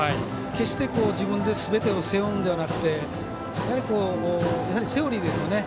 決して、自分ですべてを背負うのではなくてやはり、セオリーですよね。